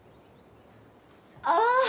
ああ！